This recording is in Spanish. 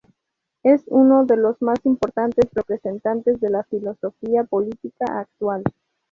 Es uno de los más importantes representantes de la filosofía política actual.